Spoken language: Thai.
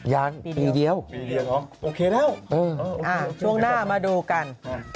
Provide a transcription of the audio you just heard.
ยังปีเดียวปีเดียวเหรอโอเคแล้วช่วงหน้ามาดูกัน